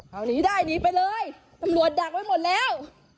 เอาหนีได้หนีไปเลยตำรวจดักไว้หมดแล้ว